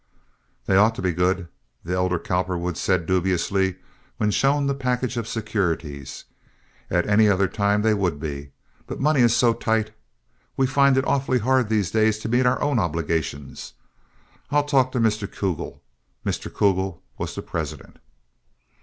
"They ought to be good," the elder Cowperwood said, dubiously, when shown the package of securities. "At any other time they would be. But money is so tight. We find it awfully hard these days to meet our own obligations. I'll talk to Mr. Kugel." Mr. Kugel was the president.